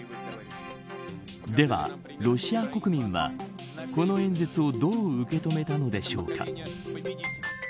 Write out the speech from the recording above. では、ロシア国民はこの演説をどう受け止めたのでしょうか。